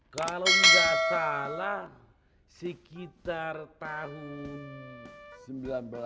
kalau nggak salah sekitar tahun seribu sembilan ratus empat puluh delapan